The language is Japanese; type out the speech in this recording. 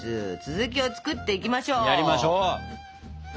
やりましょう。